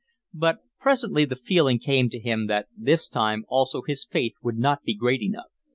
But presently the feeling came to him that this time also his faith would not be great enough.